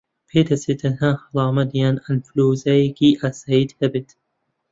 پێدەچێت تەنها هەڵامەت یان ئەنفلەوەنزایەکی ئاساییت هەبێت